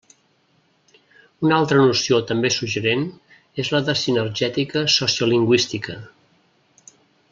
Una altra noció també suggerent és la de sinergètica sociolingüística.